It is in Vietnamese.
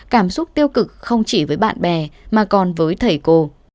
cảm xúc tiêu cực không chỉ với bạn bè mà còn với thầy cô